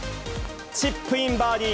チップインバーディー。